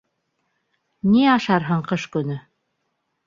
Ни ашарһың ҡыш көнө?